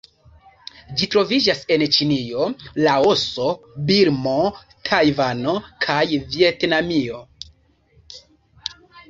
Ĝi troviĝas en Ĉinio, Laoso, Birmo, Tajvano kaj Vjetnamio.